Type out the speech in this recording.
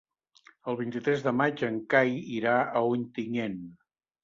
El vint-i-tres de maig en Cai irà a Ontinyent.